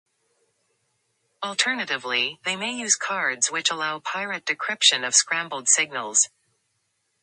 Alternatively, they may use cards which allow pirate decryption of scrambled signals.